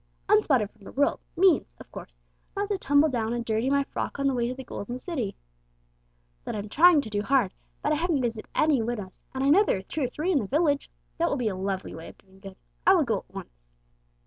"'Unspotted from the world' means, of course, not to tumble down and dirty my frock on the way to the Golden City. That I'm trying to do hard, but I haven't visited any widows, and I know there are two or three in the village. That will be a lovely way of doing good. I will go at once."